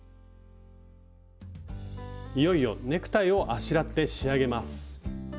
いよいよネクタイをあしらって仕上げます。